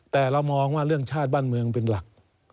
แต่เรามองว่าเรื่องชาติบ้านเมืองเป็นหลัก